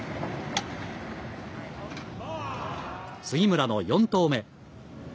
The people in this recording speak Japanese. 杉村の４投目。